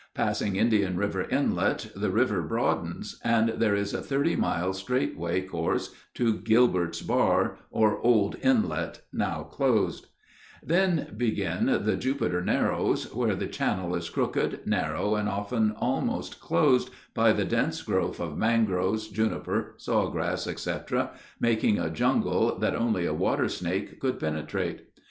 Passing Indian River inlet, the river broadens, and there is a thirty mile straight away course to Gilbert's Bar, or Old Inlet, now closed; then begin the Jupiter Narrows, where the channel is crooked, narrow, and often almost closed by the dense growth of mangroves, juniper, saw grass, etc., making a jungle that only a water snake could penetrate.